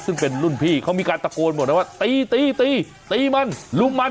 ซึ่งเป็นรุ่นพี่เขามีการตะโกนหมดนะว่าตีตีตีตีมันลุงมัน